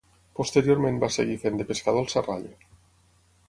Posteriorment va seguir fent de pescador al Serrallo.